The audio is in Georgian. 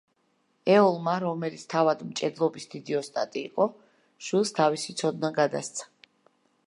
ეოლმა, რომელიც თავად მჭედლობის დიდი ოსტატი იყო, შვილს თავისი ცოდნა გადასცა.